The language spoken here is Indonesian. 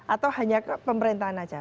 atau hanya pemerintahan saja